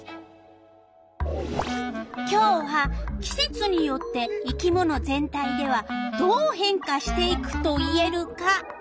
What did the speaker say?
今日は「季節によって生き物全体ではどう変化していくと言えるか」